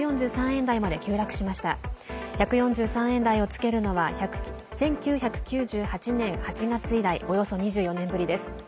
１４３円台をつけるのは１９９８年８月以来およそ２４年ぶりです。